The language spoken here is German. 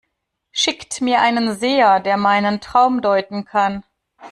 Schickt mir einen Seher, der meinen Traum deuten kann!